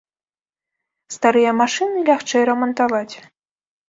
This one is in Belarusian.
Старыя машыны лягчэй рамантаваць.